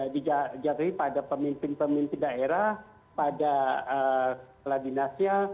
dijatuhi pada pemimpin pemimpin daerah pada kepala dinasnya